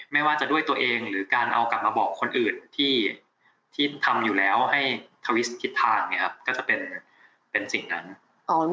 ไม่ว่าจะด้วยตัวเองหรือการเอากลับมาบอกคนอื่นที่ทำอยู่แล้วให้ทวิสคิดทางเนี่ยครับก็จะเป็นสิ่งนั้น